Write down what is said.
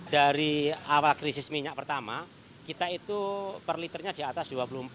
dari awal krisis minyak pertama kita itu per liternya di atas dua puluh empat